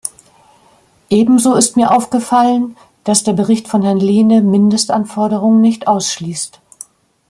Ebenso ist mir aufgefallen, dass der Bericht von Herrn Lehne Mindestanforderungen nicht ausschließt.